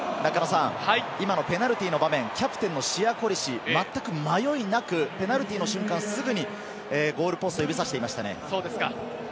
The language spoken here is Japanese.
今のペナルティーの場面、キャプテンのシヤ・コリシ、まったく迷いなくペナルティーの瞬間、すぐにゴールポストを指さしていましたね。